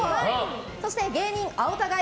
そして芸人青田買い！